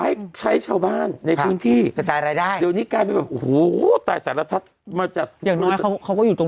อย่างนี้ละกับต่าง